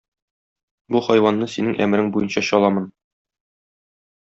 Бу хайванны синең әмерең буенча чаламын.